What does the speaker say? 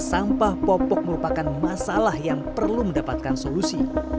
sampah popok merupakan masalah yang perlu mendapatkan solusi